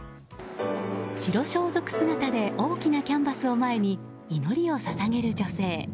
白装束姿で大きなキャンバスを前に祈りを捧げる女性。